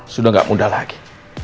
sudah gak muda lagi